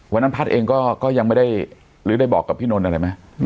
วันนั้นพัฒน์เองก็ยังไม่ได้หรือได้บอกกับพี่นนท์อะไรไหม